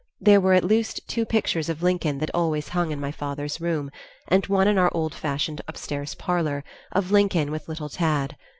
There were at least two pictures of Lincoln that always hung in my father's room, and one in our old fashioned upstairs parlor, of Lincoln with little Tad.